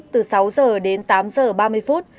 từ sáu giờ đến tám giờ ba mươi phút